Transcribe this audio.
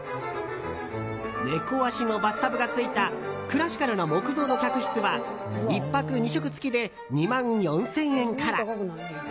猫脚のバスタブがついたクラシカルな木造の客室は１泊２食付きで２万４０００円から。